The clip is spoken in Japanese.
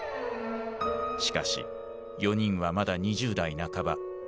しかし４人はまだ２０代半ば。